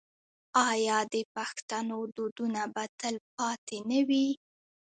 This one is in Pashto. آیا د پښتنو دودونه به تل پاتې نه وي؟